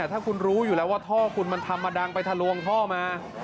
ถ้าคุณรู้อยู่แล้วว่าท่อคุณมันทำมาดังไปทะลวงท่อมา